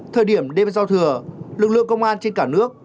thời điểm đêm giao thừa lực lượng công an trên cả nước